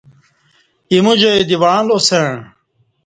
ا یمو جائ دی وعں لاسعں۔